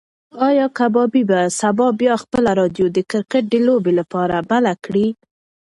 ایا کبابي به سبا بیا خپله راډیو د کرکټ د لوبې لپاره بله کړي؟